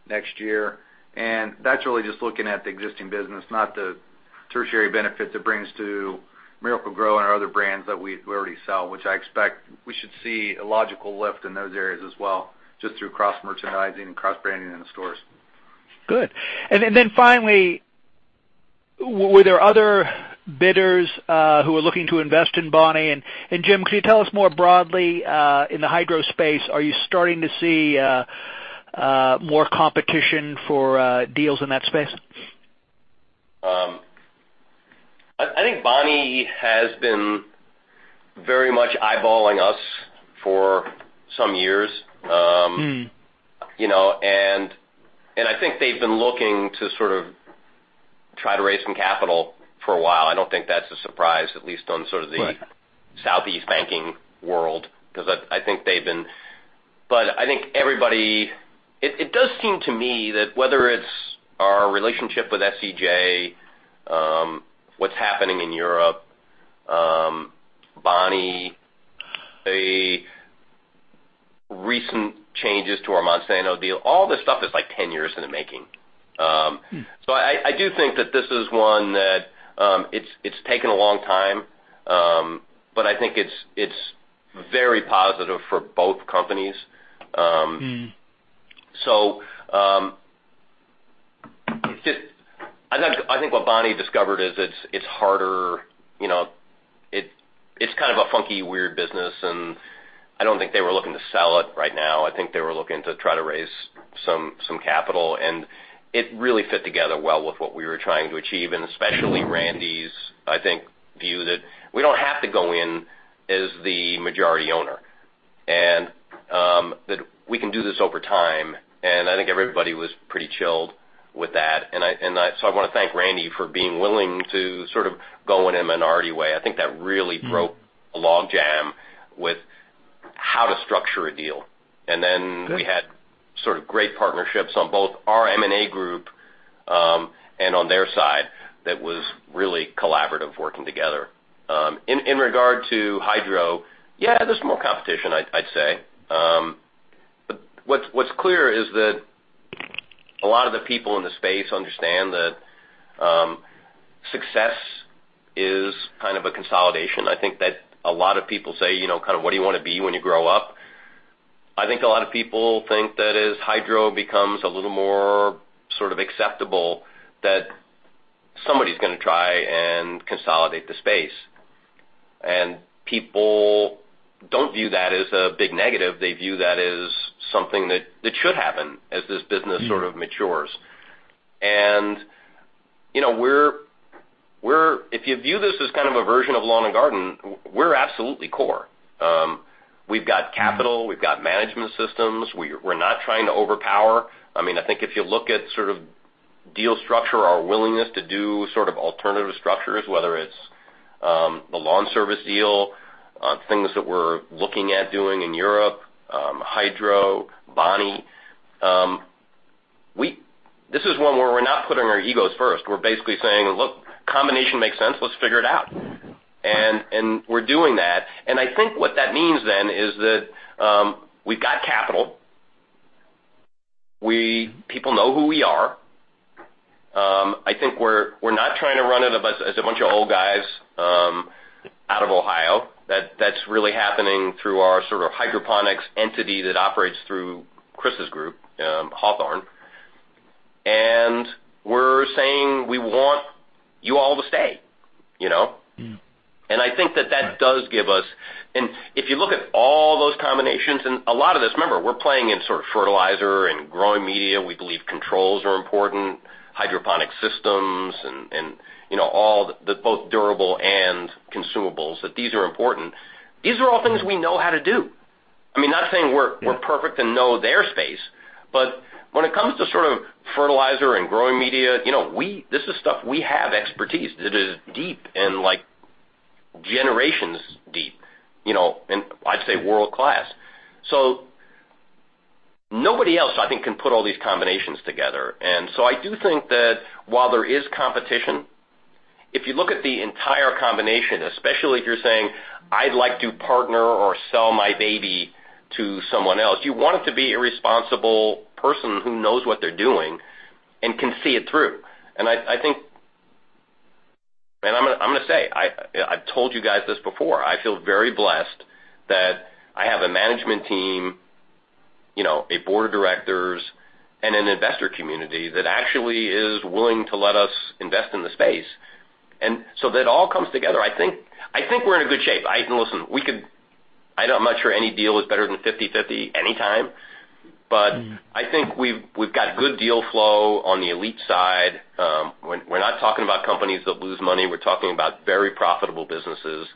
next year. That is really just looking at the existing business, not the tertiary benefits it brings to Miracle-Gro and our other brands that we already sell, which I expect we should see a logical lift in those areas as well, just through cross-merchandising and cross-branding in the stores. Good. Finally, were there other bidders who were looking to invest in Bonnie? Jim, could you tell us more broadly, in the hydro space, are you starting to see more competition for deals in that space? I think Bonnie has been very much eyeballing us for some years. I think they've been looking to sort of try to raise some capital for a while. I don't think that's a surprise, at least on sort of. Right Southeast banking world, because I think they've been. I think everybody, it does seem to me that whether it's our relationship with SCJ, what's happening in Europe, Bonnie, the recent changes to our Monsanto deal, all this stuff is 10 years in the making. I do think that this is one that it's taken a long time, but I think it's very positive for both companies. I think what Bonnie discovered is it's harder. It's kind of a funky, weird business, and I don't think they were looking to sell it right now. I think they were looking to try to raise some capital, and it really fit together well with what we were trying to achieve, and especially Randy's, I think, view that we don't have to go in as the majority owner, and that we can do this over time, and I think everybody was pretty chilled with that. I want to thank Randy for being willing to sort of go in a minority way. I think that really broke a log jam with how to structure a deal. We had sort of great partnerships on both our M&A group, and on their side that was really collaborative working together. In regard to hydro, yeah, there's more competition, I'd say. What's clear is that a lot of the people in the space understand that success is kind of a consolidation. I think that a lot of people say, kind of what do you want to be when you grow up? I think a lot of people think that as hydro becomes a little more sort of acceptable, that somebody's gonna try and consolidate the space. People don't view that as a big negative. They view that as something that should happen as this business sort of matures. If you view this as kind of a version of lawn and garden, we're absolutely core. We've got capital. We've got management systems. We're not trying to overpower. I think if you look at sort of deal structure, our willingness to do sort of alternative structures, whether it's the lawn service deal, things that we're looking at doing in Europe, hydro, Bonnie, this is one where we're not putting our egos first. We're basically saying, "Look, combination makes sense. Let's figure it out." We're doing that, and I think what that means then is that we've got capital. People know who we are. I think we're not trying to run it as a bunch of old guys out of Ohio. That's really happening through our sort of hydroponics entity that operates through Chris's group, Hawthorne. We're saying we want you all to stay. I think that that, if you look at all those combinations and a lot of this, remember, we're playing in sort of fertilizer and growing media. We believe controls are important, hydroponic systems and all the both durable and consumables, that these are important. These are all things we know how to do. I'm not saying we're perfect and know their space, but when it comes to sort of fertilizer and growing media, this is stuff we have expertise that is deep and like generations deep, and I'd say world-class. Nobody else, I think, can put all these combinations together. I do think that while there is competition, if you look at the entire combination, especially if you're saying, "I'd like to partner or sell my baby to someone else," you want it to be a responsible person who knows what they're doing and can see it through. I'm gonna say, I've told you guys this before, I feel very blessed that I have a management team, a board of directors, and an investor community that actually is willing to let us invest in the space. That all comes together. I think we're in a good shape. Listen, I'm not sure any deal is better than 50/50 anytime, but I think we've got good deal flow on the elite side. We're not talking about companies that lose money. We're talking about very profitable businesses,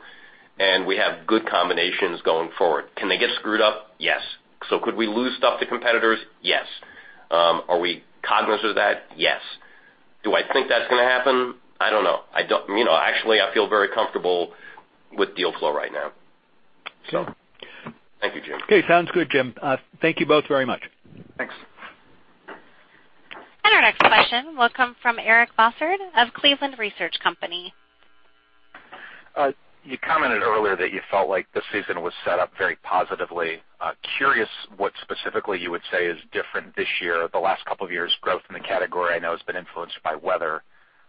and we have good combinations going forward. Can they get screwed up? Yes. Could we lose stuff to competitors? Yes. Are we cognizant of that? Yes. Do I think that's gonna happen? I don't know. Actually, I feel very comfortable with deal flow right now. Sure. Thank you, Jim. Okay, sounds good, Jim. Thank you both very much. Thanks. Our next question will come from Eric Bosshard of Cleveland Research Company. You commented earlier that you felt like this season was set up very positively. Curious what specifically you would say is different this year. The last couple of years growth in the category, I know, has been influenced by weather.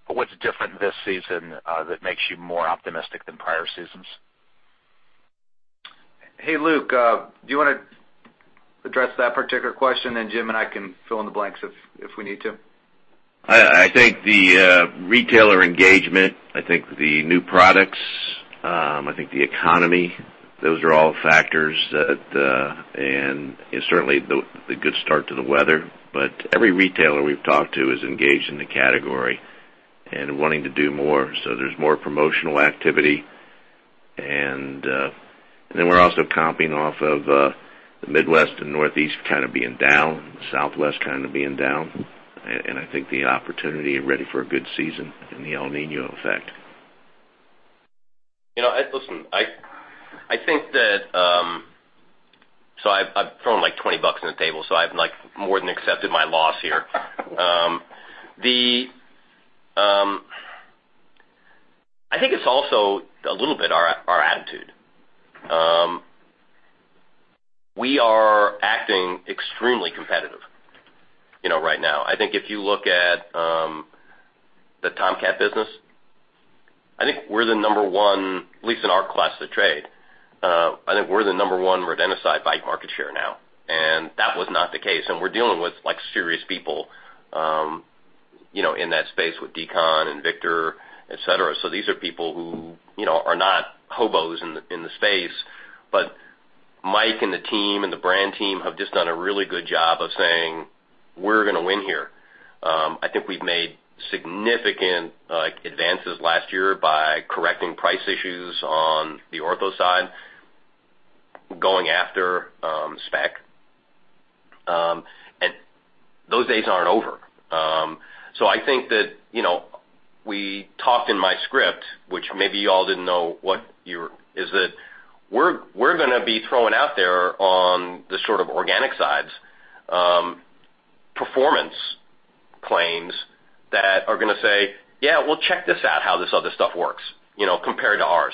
What's different this season that makes you more optimistic than prior seasons? Hey, Luke, do you want to address that particular question, and Jim and I can fill in the blanks if we need to? I think the retailer engagement, I think the new products, I think the economy, those are all factors that and certainly the good start to the weather. Every retailer we've talked to is engaged in the category and wanting to do more. There's more promotional activity, then we're also comping off of the Midwest and Northeast kind of being down, the Southwest kind of being down. I think the opportunity ready for a good season in the El Niño effect. Listen, I think I've thrown like $20 on the table, so I've more than accepted my loss here. I think it's also a little bit our attitude. We are acting extremely competitive right now. I think if you look at the Tomcat business I think we're the number one, at least in our class of trade, we're the number one rodenticide by market share now, and that was not the case. We're dealing with serious people in that space with d-CON and Victor, et cetera. These are people who are not hobos in the space. Mike and the team and the brand team have just done a really good job of saying, "We're going to win here." I think we've made significant advances last year by correcting price issues on the Ortho side, going after spec, and those days aren't over. I think that we talked in my script, which maybe you all didn't know, is that we're going to be throwing out there on the sort of organic sides, performance claims that are going to say, "Yeah, well, check this out, how this other stuff works compared to ours."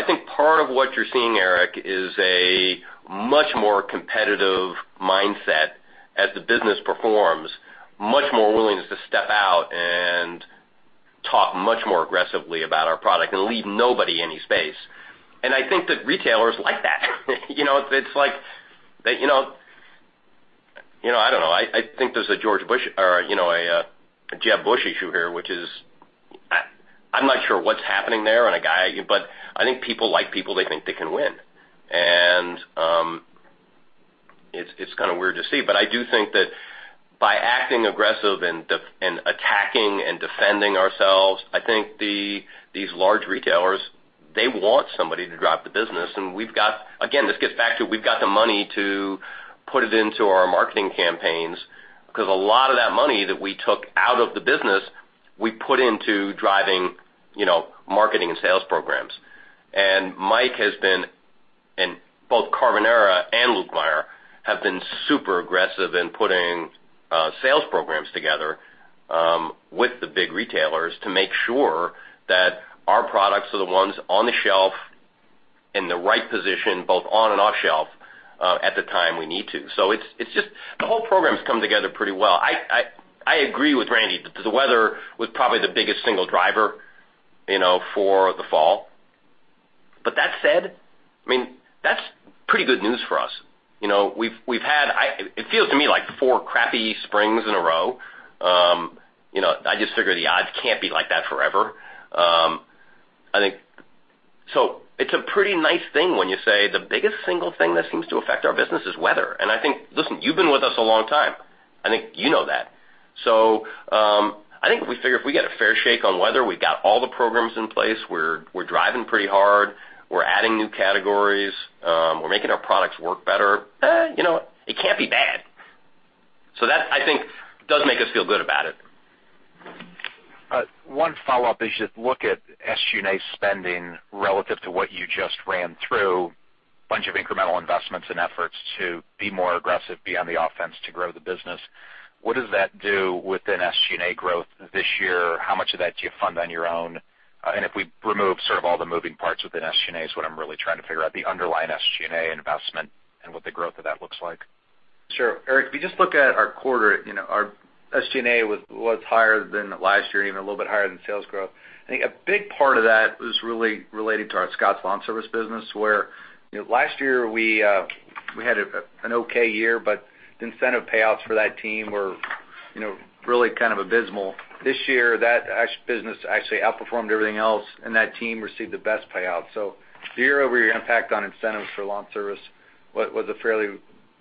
I think part of what you're seeing, Eric, is a much more competitive mindset as the business performs, much more willingness to step out and talk much more aggressively about our product and leave nobody any space. I think that retailers like that. It's like, I don't know. I think there's a Jeb Bush issue here, which is I'm not sure what's happening there on a guy, but I think people like people they think they can win. It's kind of weird to see. I do think that by acting aggressive and attacking and defending ourselves, I think these large retailers, they want somebody to drop the business. We've got, again, this gets back to we've got the money to put it into our marketing campaigns because a lot of that money that we took out of the business, we put into driving marketing and sales programs. Mike has been, and both Carbonera and Lukemire have been super aggressive in putting sales programs together with the big retailers to make sure that our products are the ones on the shelf in the right position, both on and off shelf, at the time we need to. The whole program's come together pretty well. I agree with Randy that the weather was probably the biggest single driver for the fall. That said, that's pretty good news for us. It feels to me like four crappy springs in a row. I just figure the odds can't be like that forever. It's a pretty nice thing when you say the biggest single thing that seems to affect our business is weather. I think, listen, you've been with us a long time. I think you know that. I think if we figure if we get a fair shake on weather, we've got all the programs in place. We're driving pretty hard. We're adding new categories. We're making our products work better. It can't be bad. That, I think, does make us feel good about it. One follow-up is you look at SG&A spending relative to what you just ran through, bunch of incremental investments and efforts to be more aggressive, be on the offense to grow the business. What does that do within SG&A growth this year? How much of that do you fund on your own? If we remove sort of all the moving parts within SG&A is what I'm really trying to figure out, the underlying SG&A investment and what the growth of that looks like. Sure. Eric, if you just look at our quarter, our SG&A was higher than last year and even a little bit higher than sales growth. I think a big part of that was really related to our Scotts LawnService business, where last year we had an okay year, but the incentive payouts for that team were really kind of abysmal. This year, that business actually outperformed everything else, and that team received the best payout. Year-over-year impact on incentives for lawn service was a fairly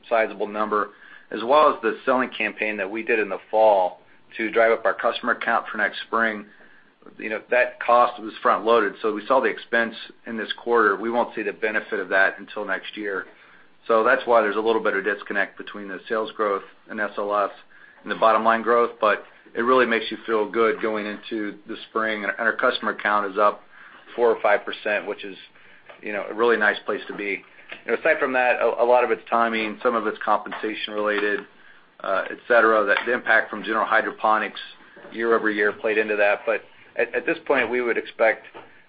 sizable number, as well as the selling campaign that we did in the fall to drive up our customer count for next spring. That cost was front-loaded, so we saw the expense in this quarter. We won't see the benefit of that until next year. That's why there's a little bit of disconnect between the sales growth in SLS and the bottom line growth, but it really makes you feel good going into the spring. Our customer count is up 4% or 5%, which is a really nice place to be. Aside from that, a lot of it's timing, some of it's compensation related, et cetera, that the impact from General Hydroponics year-over-year played into that. At this point, we would expect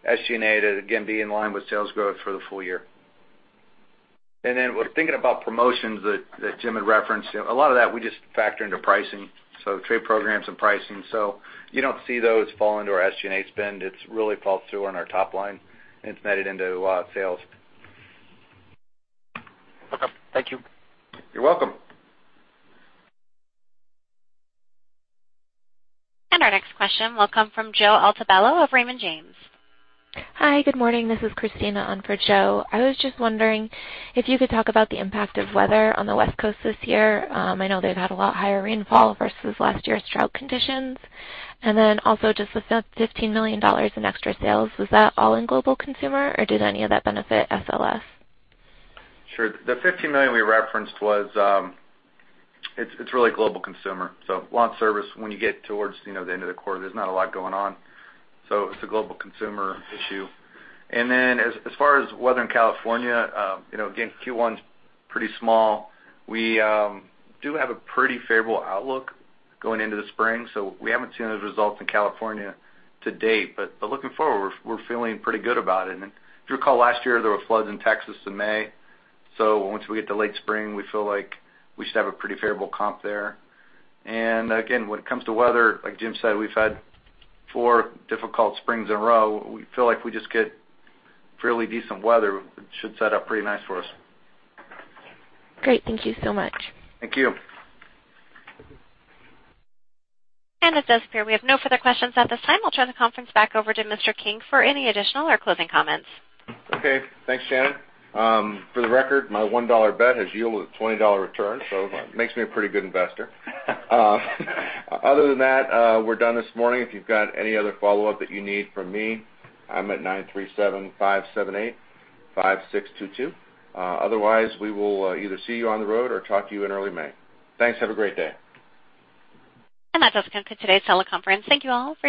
SG&A to again be in line with sales growth for the full year. Thinking about promotions that Jim had referenced, a lot of that we just factor into pricing, so trade programs and pricing. You don't see those fall into our SG&A spend. It really falls through on our top line, and it's netted into sales. Okay. Thank you. You're welcome. Our next question will come from Joe Altobello of Raymond James. Hi, good morning. This is Christina on for Joe. I was just wondering if you could talk about the impact of weather on the West Coast this year. I know they've had a lot higher rainfall versus last year's drought conditions. Then also just the $15 million in extra sales, was that all in global consumer or did any of that benefit SLS? Sure. The $15 million we referenced was, it's really global consumer. Lawn service, when you get towards the end of the quarter, there's not a lot going on. It's a global consumer issue. Then as far as weather in California, again, Q1's pretty small. We do have a pretty favorable outlook going into the spring, so we haven't seen those results in California to date. Looking forward, we're feeling pretty good about it. If you recall last year, there were floods in Texas in May. Once we get to late spring, we feel like we should have a pretty favorable comp there. Again, when it comes to weather, like Jim said, we've had four difficult springs in a row. We feel like if we just get fairly decent weather, it should set up pretty nice for us. Great. Thank you so much. Thank you. It does appear we have no further questions at this time. I'll turn the conference back over to Mr. King for any additional or closing comments. Okay. Thanks, Shannon. For the record, my $1 bet has yielded a $20 return, makes me a pretty good investor. Other than that, we're done this morning. If you've got any other follow-up that you need from me, I'm at 937-578-5622. Otherwise, we will either see you on the road or talk to you in early May. Thanks. Have a great day. That does conclude today's teleconference. Thank you all.